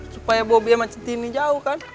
supaya bobi emang jauh kan